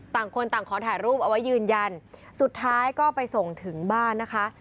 ต่างคนต่างขอถ่ายรูปเอาไว้ยืนยันสุดท้ายก็ไปส่งถึงบ้านนะคะ